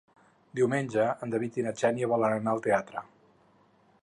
Diumenge en David i na Xènia volen anar al teatre.